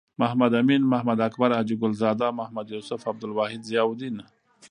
محمد امین.محمد اکبر.حاجی ګل زاده. محمد یوسف.عبدالواحد.ضیاالدین